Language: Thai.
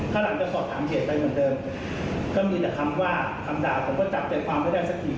ก็หลังจากสอบถามเหตุได้เหมือนเดิมก็มีแต่คำว่าคำด่าผมก็จับเป็นความไม่ได้สักที